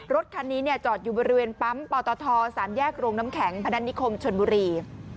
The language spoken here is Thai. รถคันนี้จอดอยู่บริเวณปั๊มปตท๓แยกโรงน้ำแข็งพนันนิคมชนบุรี